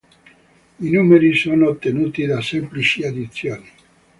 I numeri sono ottenuti da semplici addizioni.